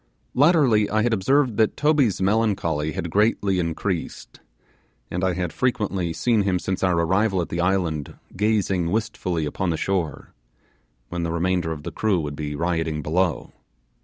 Latterly I had observed that Toby's melancholy had greatly increased, and I had frequently seen him since our arrival at the island gazing wistfully upon the shore, when the remainder of the crew would be rioting below.